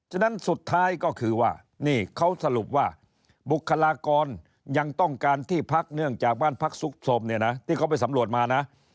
ฉะนั้นสุดท้ายก็คือว่านี่เขาสรุปว่าบุคลากรยังต้องการที่พักเนื่องจากบ้านพักสุขสมเนี่ยนะที่เขาไปสำรวจมานะ